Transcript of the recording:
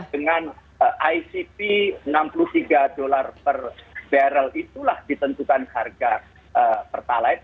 dengan icb enam puluh tiga dollar per barrel itulah ditentukan harga per pallet